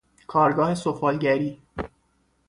کارگاه سفالگری